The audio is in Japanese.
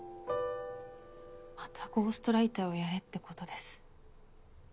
またゴーストライターをやれって事です。